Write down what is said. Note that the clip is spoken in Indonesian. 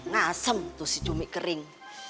ngasem tuh si cumi kering